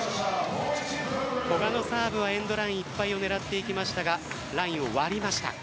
古賀のサーブはエンドラインいっぱいを狙っていきましたがラインを割りました。